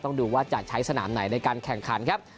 ดูว่าจะใช้สนามไหนในการแข่งขันครับ